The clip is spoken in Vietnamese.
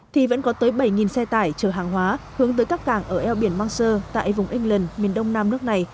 thì vẫn có tới bảy xe tải chở hàng hóa hướng tới các cảng ở eo biển manche tại vùng england miền đông nam nước này